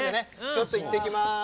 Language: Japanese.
ちょっと行ってきます。